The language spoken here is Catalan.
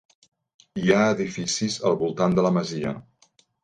Hi ha edificis al voltant de la masia.